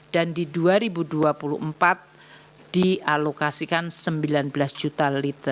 dan di tahun dua ribu dua puluh empat dialokasikan rp sembilan belas juta